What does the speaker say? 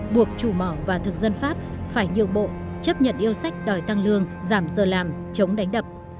buộc chủ mỏ và thực dân pháp phải nhượng bộ chấp nhận yêu sách đòi tăng lương giảm giờ làm chống đánh đập